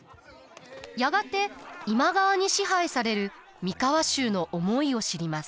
やがて今川に支配される三河衆の思いを知ります。